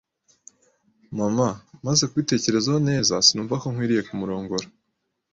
Mama, maze kubitekerezaho neza, sinumva ko nkwiye kumurongora.